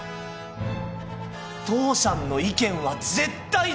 父さんの意見は絶対だ。